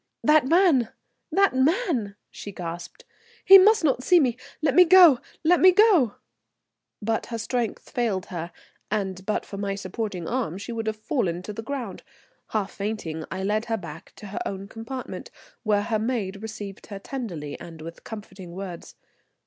"That man! that man!" she gasped. "He must not see me; let me go, let me go!" But her strength failed her, and but for my supporting arm she would have fallen to the ground. Half fainting, I led her back to her own compartment, where her maid received her tenderly and with comforting words.